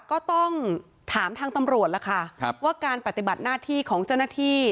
ก็ต้องถามทางตำรวจล่ะค่ะว่าการปฏิบัติหน้าที่ของเจ้าหน้าที่